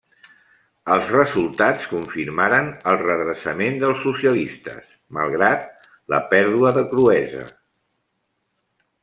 Els resultats confirmaren el redreçament dels socialistes, malgrat la pèrdua de Cruesa.